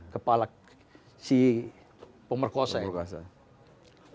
kepala si pemerkosa itu